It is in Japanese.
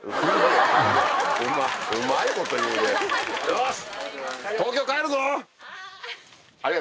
よし！